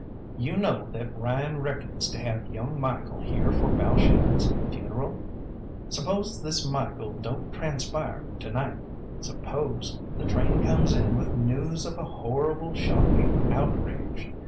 You know that Ryan reckons to have young Michael here for Balshannon's funeral? Suppose this Michael don't transpire to night? Suppose the train comes in with news of a horrible shocking outrage?